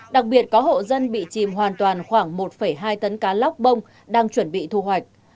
đặc biệt có hộ dân bị chìm hoàn toàn khoảng một hai tấn cá lóc bông đang chuẩn bị thu hoạch